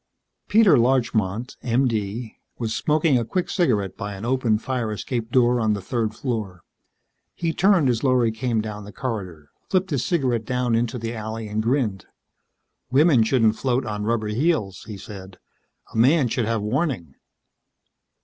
Peter Larchmont, M.D., was smoking a quick cigarette by an open fire escape door on the third floor. He turned as Lorry came down the corridor, flipped his cigarette down into the alley and grinned. "Women shouldn't float on rubber heels," he said. "A man should have warning."